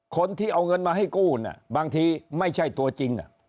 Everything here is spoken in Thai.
คนที่เอาเงินมาให้กู้บางทีไม่ใช่ตัวจริง